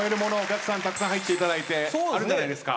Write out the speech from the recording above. たくさん入っていただいてあるんじゃないですか？